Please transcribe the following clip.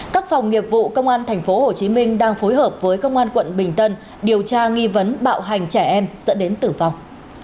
các phòng nghiệp vụ công an tp hcm đang phối hợp với công an quận bình tân điều tra nghi vấn bạo hành trẻ em dẫn đến tử vong